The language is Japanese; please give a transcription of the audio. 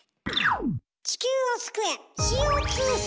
地球を救え！